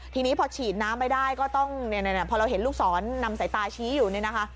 ทีนี้พอฉีดน้ำไม่ได้ก็ต้องพอเราเห็นลูกศรนำสายตาชี้อยู่เนี่ยนะคะ